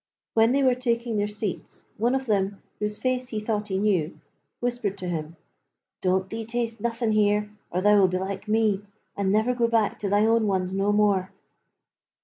When they were taking their seats one of them, whose face he thought he knew, whispered to him: 'Don't thee taste nothin' here or thou will be like me, and never go back to thy ones no more.'